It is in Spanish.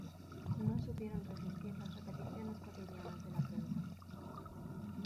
No supieron resistir las repeticiones cotidianas de la prensa.